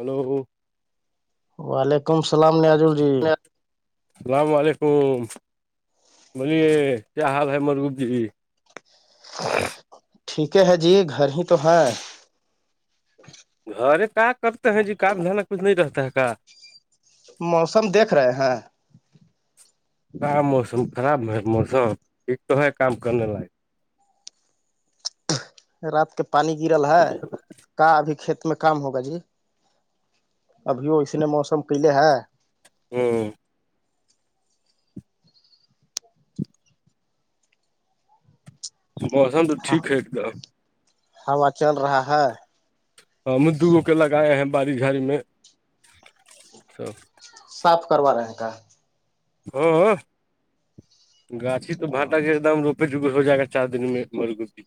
hello وعلیکم السلام نیاجل جی اللام علیکم بوے کیا حال ہے مرگوپ جی ٹھیک ہے ہے جی گھر ہی تو ہے ارے کا کرتے ہیں جی کام نانا کچھ نہیں رہتا ہے کہ موسم دیکھ رہے ہیں کام موسم خراب موسم تو کام کرنے لائ رات کے پانی گرل ہے کا ابھی کھیت میں کام ہوگا جی ابھی ہو اس نے موسم کیلے ہے ہوں بوسم تو ٹھیک ہے تو ہوا چل رہا ہے ہ دوگو کے لگائے ہیں باڑی جھاڑی میں س صاف کروا رہے ہیں کا ہ گاچھی تو باٹا کے ایک دم روپ بگ ہو جائے گا چار دن میں مرگ بھی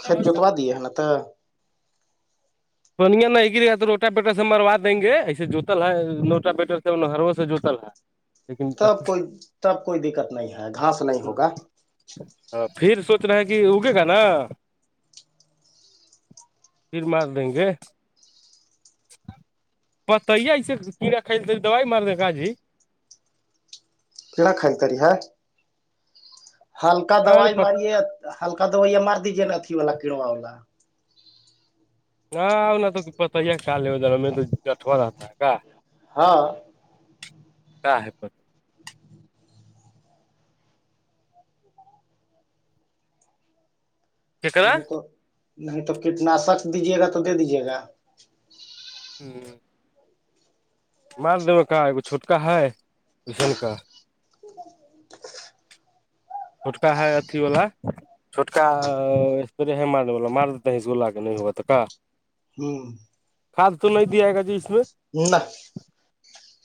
کھیت ج جوتوا دیے نا ت تو پنیا نہیں گرییا ہے تو روٹا بیٹر سے مروا دیں گے ایسے جوتل ہے نوٹا بیٹر سے ہرو سے جوتل ہے لیکن تب کوئی تب کوئی دقت نہیں ہے گھاس نہیں ہوگا پھر سوچنا ہے کہ اگے کھ نا پھر مار دیں گے بت ایسے کیڑا کلتے دوائی مار د گجی کناا کائی تاری ہے ہلکا دوائی مارے ہلکا دوائی مار دیجیے نا اھی والا کیڑوا والا نہ نہ تو پت ہی ہے کال ادھر ہم تو جٹوا رہتا ہے کا ہاں کا ہے پ نہیں تو نہیں تو کیٹناشک دیجیے گا تو دے دیجیے گا ہوں مار د کا ای چھوٹکا ہے رسن کا [inaudible] چھوٹکا ہے اھی وال چھوٹکا استرے ہے مارنے والا مار دیتے ہیں گلہلا کے نہیں ہوا تو کا ہوں کھاد تو لے دیائے گا جی اس میں نہ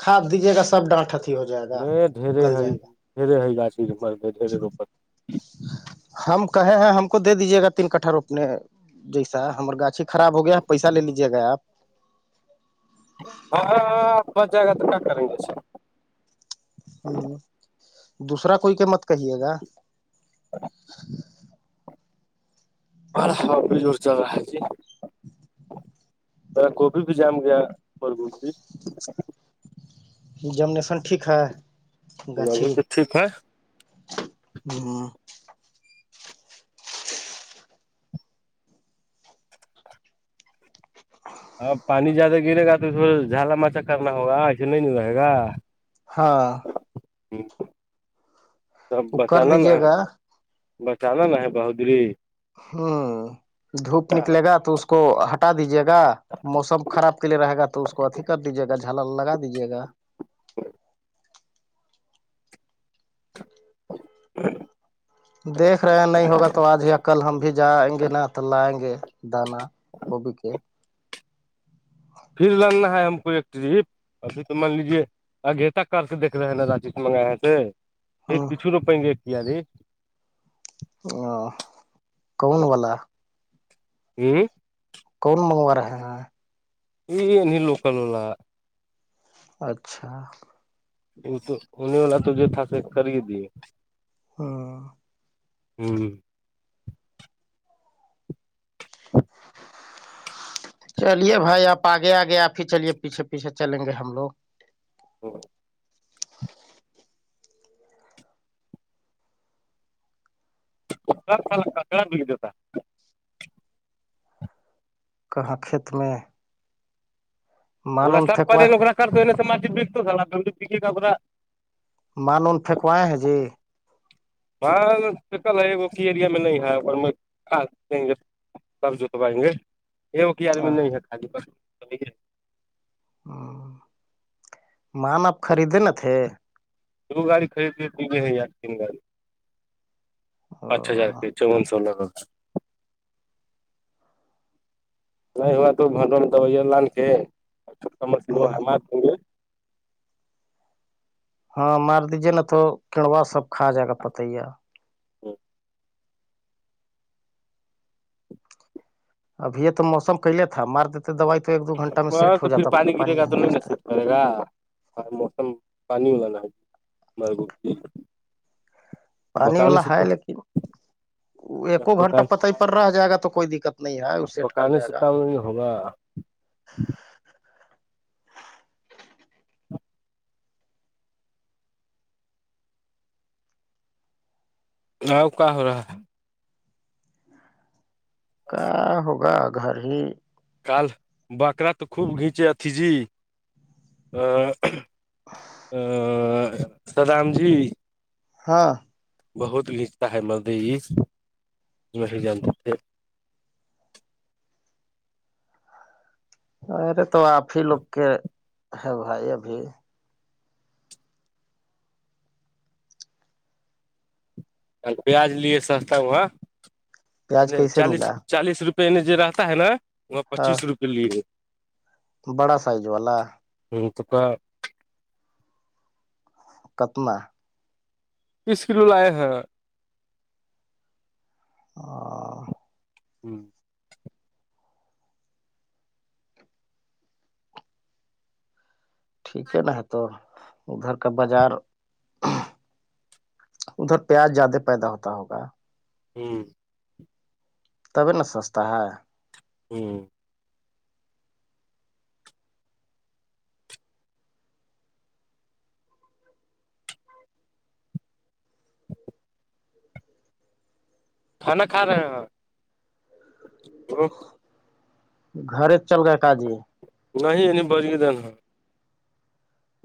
کھا دیجیے گا سب ڈانٹ اتیھی ہو جائے گا گل جائے گا ڈھیرےی گا چیز مھر ڈھیرے روپڑ ہم کہے ہیں ہم کو دے دیجے گا تین کٹہ رو اپنے جیسا ہمر گاچھی خراب ہو گیا پیسہ لے لیجیے گئے آپ ہاں ہاں پچ جائے گا تو کیا کریں جس ہوں دوسرا کوئی کہ مت کہیے گا ا ب س جوور چل رہا [inaudible] اا گبھی بھی جام گیا م جمنے سن ٹھیک ہے ابھی گاچھی تو ٹھیک ہے ہاں ہاں پانی زیادہ گرے گا تو پ جھالا مچا کرنا ہوگا ایسے نہیں نہیں رہے گا ہاں ہ سب وہ کر بتان نا دیجیے گا ب چانا ن ہے بہودری ہوں دھوپ نکلے گا تو اس کو ہٹا دیجیے گا موسم خراب کے لیے رہے گا تو اس کو اھی کر دیجیے گا جھل لگا دیجیے گا ب [inaudible] دیکھ رہے ہیں نہیں ہوگا تو آج ہی کل ہم بھی جائیں گے نا تو لائیں گے دانا گبھی کے پھر لڑنا ہے ہم کو ایک ٹرپ ابھی تو مان لیجے آگھی تک کر سے دھ رہے ہیں نا راجیش منگائے تھ یہ پیچھ لوپائ گے کیا ہے رے ا کون والا ہی کون منگوا رہے ہیں یہ نہیں لوکل واللا اچھا تو انہیں والا تو یہ تھا کر ہی دیے ہاں ہوں [unintelligible] چلیے بھائی آپ آگے آگے آپ ہی چلیے پیچھے پیچھے چلیں گے ہم لوگ [unintelligible] کر ب جتاا کہاں کھیت میں مان ان س پ پھینکوا کر س مانون پھنکوائے ہیں جی ہاں شکل ہے وہ کی ایریا میں نہیں ہے اور سب جتوائیں گے یہ وہک آدمی نہیں ہے خالی پ ہ مان آپ خریدے ن تھے دو گاڑی خری لیے یہ ہے ار تین گاڑی پانچ ہزار پ چون سولہ لو نہیں ہوا توھٹ لان کےا مچھات گے ہاں مار دیجے نا تو کیڑوا سب کھا جائے گا پتیا [inaudible] ابھی یہ تو موسم کلے تھا مار دیتے دوائی تو ایک دو گھنٹہ میں سیٹ ہو جاتا پانی نہیں گرتا مرگا موسم پانی وا نہا مرگ پانی والا ہے کچھ لیکن ایکو گنٹہ بکان پتی پر رہ جائے گا تو کوئی دقت نہیں ہے ا سیٹ کر بکانے سے جائے گا کام بھی ہوگا آؤک ہو رہا ہے کیا ہوگا گھر ہی کل بکرا تو خوب گھیچے اتیھی جی ا ا سدام جی ہاں بہت گھینچتا ہے مدی میں ہی جانتے تھے ارے تو آپ ہی لوگ کے ہے بھائی ابھی کل پیاج لیے سستا میںاں پیاز کیسے چالیس ملا چالیس روپے جو رہتا ہے نا وہاں ہاں پچیس روپے لی گے بڑا سائز والا جٹ کا کتناہ تیس کلو لائے ہیں ا ہوں ٹھیک ہے ن ہے توو ادھر کا بازار ادھر پیاز زیادہ پیدا ہوتا ہوگا ہوں تبھی نا سستا ہے او کھانا کھا رہے ہ گھر چل گا کاجی نہیں نہیںنی بڑی دین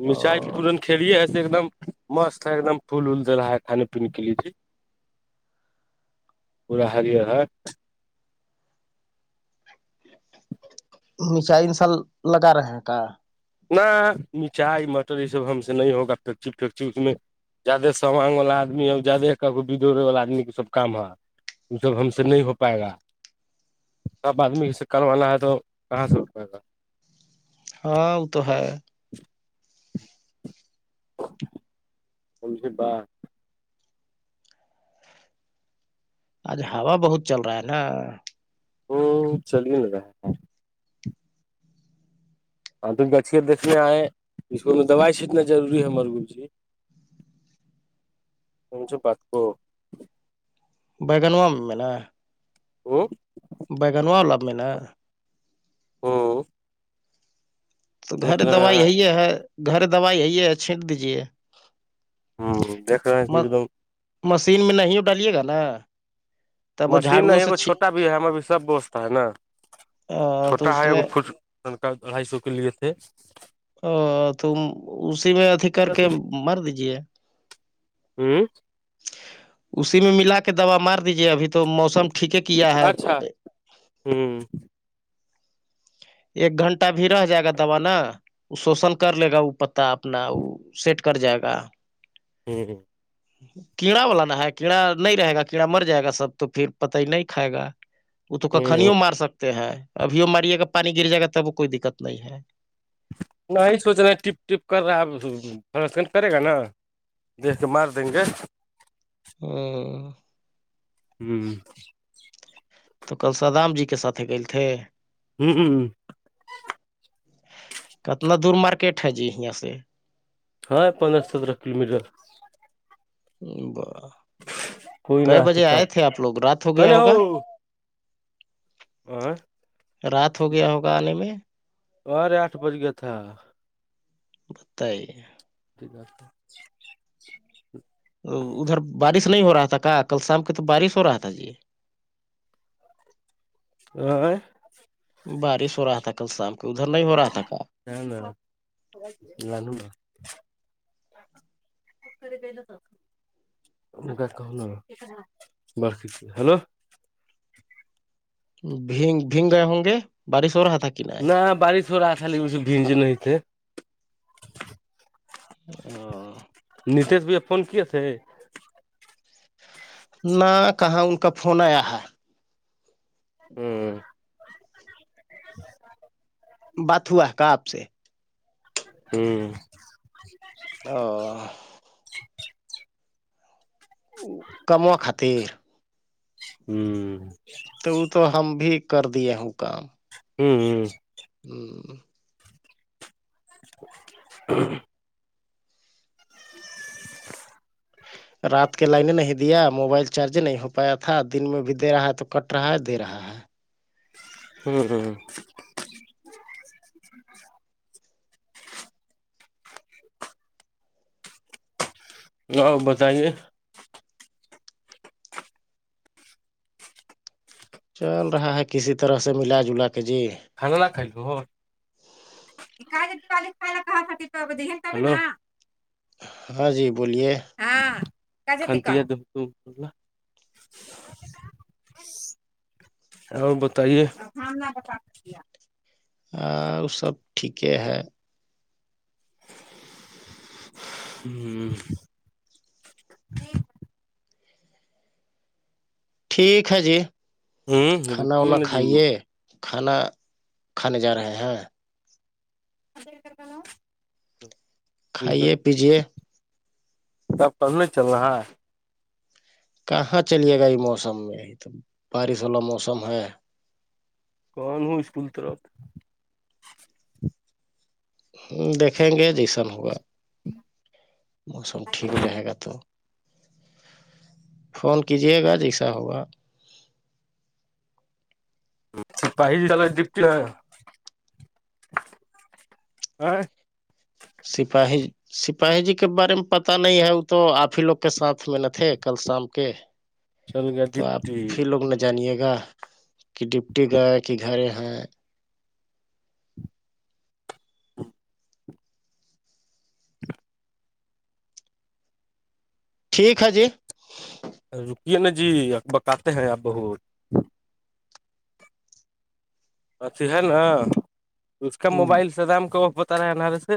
مرچائی پورن کلیے ہے ایک دم مست ہے ایکم پھول ال د رہا ہے کانے پینے کے لیے جی پورا ہریرہر میچائی انساء لگا رہے ہیں کا ن مٹھائی مٹر یہ سب ہم سے نہیں ہوگا فیکچی فیکچی اس میں جیادہ سامانگ والا آدمی ہے جیادہ کا ب دوڑے والا آدمی کی سب کام ہے وہ سب ہم سے نہیں ہو پائے گا سب آدمی سےک والا ہے تو کہاں سے اٹھ پائے گا ہاں وہ تو ہے [inaudible] ہول سے با آج ہوا بہت چل رہا ہے نا ہ چل ن رہا ہاں تو گچھے دیکنے آئے اس کو میں دوائی سٹنا روری ہے ہمر گ جی مچ بت کو بگنوم م ہے وہ بگانو واللاب م ہاں تو گھر دوائی ہیں یہی ہے گھر دوائی یہی ہے چھینٹ دیجے ہاں دیکھ رہے ہیں کہ ایک دم مشین میں نہیں ڈالیے گا نا تب وہ مشین جھاڑوؤں سے نہیں چھ- چھوٹا بھی ہے ہمیں بھی سب بستتا ہے نا آ، تو چھوٹا اس ہے ا میں فٹ شن کار اڑھائی سو کے لیے تھے او تو اسی میں اھی کر کے مار دیجیے ہوں اسی میں ملا کے دوا مار دیجے ابھی تو موسم ٹھیک ہے کیا ہے اچھا ہوں ایک گھنٹہ بھی رہ جائے گا دوب نا شوشل کر لے گا وہ پتا اپنا وہ سیٹ کر جائے گا ہوں ہوں کیڑا والا نہا ہے کیڑا نہیں رہے گا کیڑا مر جائے گا سب تو پھر پت ہی نہیں کھائے گا وہ تو ہ کخنیوں مار سکتے ہیں ابھیوں ماریے گا پانی گر جائے گا تب وہ کوئی دقت نہیں ہے نہیں سوچ رہا ٹپ ٹپ کر رہا ہے آ کن کن کرے گا نا دیکھ کے مار دیں گے ہ [unintelligible] ہوں تو کل سادام جی کے ساتھ گ تھے ہوں ہو ں کتنا دور مارکیٹ ہے جی یہاں سے ہاں پندرہ سترہ کلو میٹر کوئی نہ کئے آتی بجے کاب آئے تھے آپ لوگ رات ہو گیا کنے ہوگا آ [unintelligible] رات ہو گیا ہوگا آنے میں بارے آٹھ بج گیا تھا [unintelligible] یکاتے [unintelligible] ادھر بارش نہیں ہو رہا تھا کہ کل شام کی تو بارش ہو رہا تھا جی ہ [unintelligible] بارش ہو رہا تھا کل شام کو ادھر نہیں ہو رہا تھا کا ن ن لانوں ن ا کر پ نا سک [unintelligible] گ کہ ن ب ہلو بگ بھیگ گے ہوں گے بارس اور ہاتک نہ بارش ہو رہا تھا لیکن اس بھیج نہیں تھے ہاں نیتیش بھیا فون کیے تھے نہ کہاں ان کا فون آیا ہے ہوں ج [inaudible] بات ہوا ہے کہ آپ سے ہوں او کما خاطر ہوں تو وہ تو ہم بھی کر دیے ہوں کام ہوں ہوں ہوں [unintelligible] رات کے لائنے نہیں دیا موبائل چارج نہیں ہو پایا تھا دن میں بھی دے رہا ہے تو کٹ رہا ہے دے رہا ہے ہوں ہوں آ بتائیے چل رہا ہے کسی طرح سے ملا جلا کے جی االا [unintelligible] ہاں جی بولیے ہاں [unintelligible] اور بتائیے آ اس سب ٹھیک ہے ہوں ٹھیک ہے جی ہ کھانا روکیے ونا نا جی کائیے کھانا کھانے جا رہے ہیں ا کران [unintelligible] کھائیے پیجیے تب کب نہیں چل رہا ہے کہاں چلیے گا یہ موسم میں تو بارش والا موسم ہے کہوں اسکول طرف دیکھیں گے جیسان ہوا موسم ٹھیک رہے گا تو فون کیجیے گا جیسا ہوگا پہے جال دپٹی ا سپاہی سپاہی جی کے بارے میں پتا نہیں ہے وہ تو آپ ہی لوگ کے ساتھ میں ن تھے کل شام کے چل گیا تو ڈپٹی آپھر لوگ نے جانیے گا کہ ڈپٹی گیا کہ جھرے ہیںاں ٹھیک ہے جی رکیے نا جی بکاتے ہیں آپ بہت اھھی ہے نا اس کا موبائل سدام کا وف بتا رہا ہے انارے سے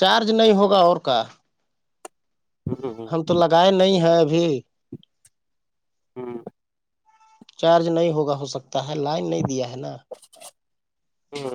چارج نہیں ہوگا اور کا ہم ہ تو لگائے نہیں ہیں ابھی ہاں چارج نہیں ہوگا ہو سکتا ہے لائن نہیں دیا ہے نا چ